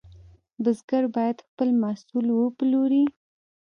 بزګر باید خپل محصول وپلوري.